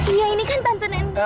iya ini kan tante nen